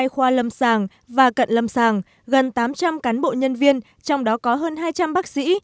ba mươi hai khoa lâm sàng và cận lâm sàng gần tám trăm linh cán bộ nhân viên trong đó có hơn hai trăm linh bác sĩ